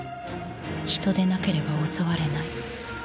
人でなければ襲われない。